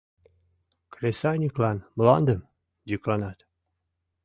Кресаньыклан — мландым!» — йӱкланат.